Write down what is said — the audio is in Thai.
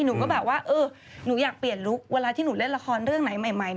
หนูก็แบบว่าหนูอยากเปลี่ยนลุคเวลาที่หนูเล่นละครเรื่องไหนใหม่